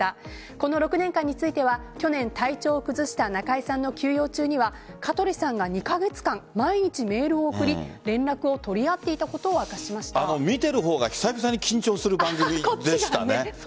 この６年間については去年、体調を崩した中居さんの休養中には香取さんが２カ月間毎日メールを送り連絡を取り合っていたことを見ている方が久々に緊張する番組でしたね。